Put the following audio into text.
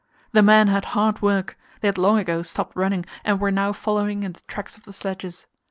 The men had hard work; they had long ago stopped running, and were now following in the tracks of the sledges.